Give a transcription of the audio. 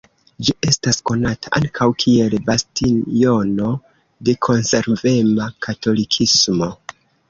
Ĝi estas konata ankaŭ kiel bastiono de konservema katolikismo.